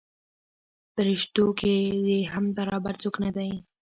پریشتو کې دې هم برابر څوک نه دی.